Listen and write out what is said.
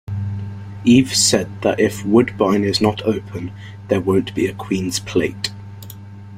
Eaves said that if Woodbine is not open, there won't be a Queen's Plate.